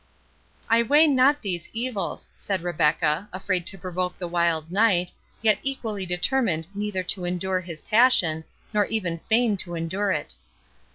"I weigh not these evils," said Rebecca, afraid to provoke the wild knight, yet equally determined neither to endure his passion, nor even feign to endure it.